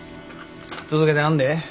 続けてはんで。